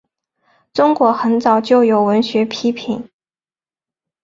中国很早就有文学批评。